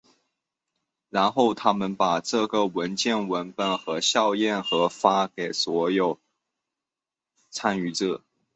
然后他们把这个文本文件和校验和发给所有参与者。